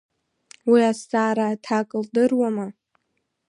Уи азҵаара аҭак лдыруама?